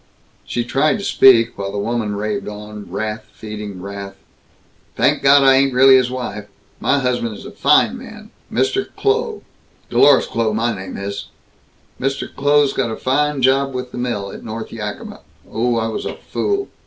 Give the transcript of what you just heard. She tried to speak, while the woman raved on, wrath feeding wrath: "Thank God, I ain't really his wife! My husband is a fine man Mr. Kloh Dlorus Kloh, my name is. Mr. Kloh's got a fine job with the mill, at North Yakima. Oh, I was a fool!